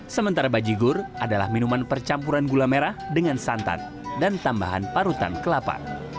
sementara bajigur adalah minuman percampuran gula merah dengan santan dan tambahan parutan kelapa